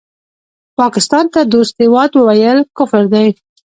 پاکستان ته دوست هېواد وویل کفر دی